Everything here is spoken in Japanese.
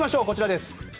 こちらです。